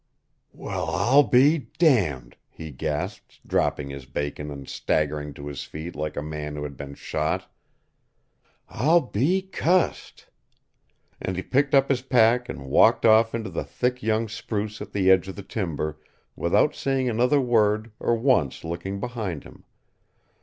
"Well, I'll be damned," he gasped, dropping his bacon and staggering to his feet like a man who had been shot. "I'll be CUSSED!" And he picked up his pack and walked off into the thick young spruce at the edge of the timber, without saying another word or once looking behind him.